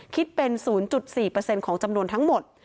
คิดเป็น๐๔ของจำนวนทั้งหมด